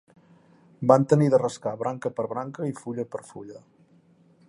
Van tenir de rascar branca per branca i fulla per fulla